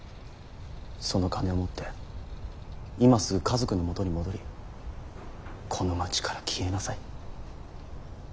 その金を持って今すぐ家族の元に戻りこの街から消えなさい。